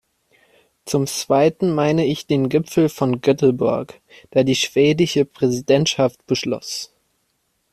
Zum Zweiten meine ich den Gipfel von Göteborg, der die schwedische Präsidentschaft beschloss.